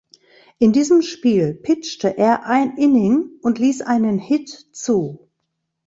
In diesem Spiel pitchte er ein Inning und ließ einen Hit zu.